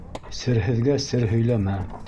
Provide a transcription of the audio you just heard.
Серһеҙгә сер һөйләмә.